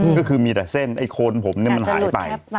ก็คือมีแต่เส้นไอ้โคนผมเนี่ยมันหายไป